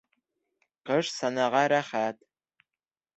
Ҡыш санаға рәхәт